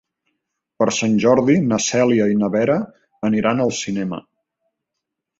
Per Sant Jordi na Cèlia i na Vera aniran al cinema.